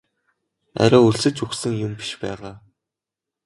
Арай өлсөж үхсэн юм биш байгаа?